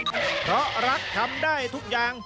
เพราะรักทำได้ทุกอย่าง